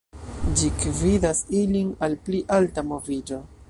Ĝi gvidas ilin al pli alta moviĝo.